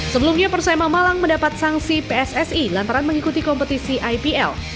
sebelumnya persema malang mendapat sanksi pssi lantaran mengikuti kompetisi ipl